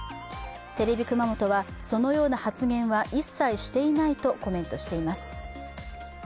テレビ熊本は、そのような発言は一切していないとコメントしています。